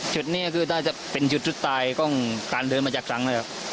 ชุดนี้คือถ้าจะเป็นจุดสุดท้ายก็ต้องการเดินมาจากครั้งเลย